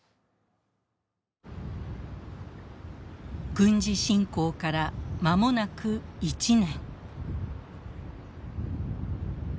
軍事侵攻から間もなく１年。